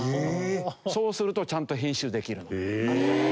そうするとちゃんと編集できるの。